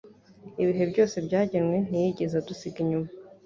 Ibihe byose byagenwe ntiyigeze adusiga inyuma